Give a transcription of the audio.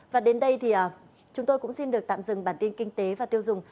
và đến đây thì chúng tôi cũng xin được tạm dừng bản tin kinh tế và tiêu dùng